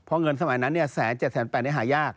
เพราะเงินสมัยนั้นเนี่ยแสน๗แสน๘เนี่ยหายาก